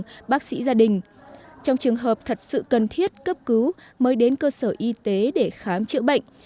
các bác sĩ gia đình trong trường hợp thật sự cần thiết cấp cứu mới đến cơ sở y tế để khám chữa bệnh